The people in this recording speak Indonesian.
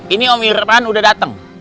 ini om irfan udah datang